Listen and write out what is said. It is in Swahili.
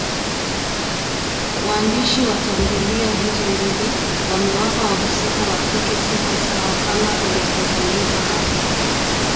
Waandishi wa tamthilia hizo mbili wamewapa wahusika wa kike sifa sawa kama inavyobainika hapa